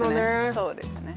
そうですね